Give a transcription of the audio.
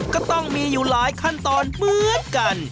ก็ต้องมีอยู่หลายขั้นตอนเหมือนกัน